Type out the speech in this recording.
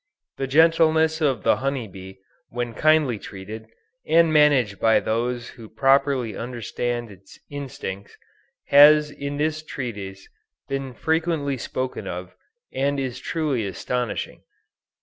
The gentleness of the honey bee, when kindly treated, and managed by those who properly understand its instincts, has in this treatise been frequently spoken of, and is truly astonishing.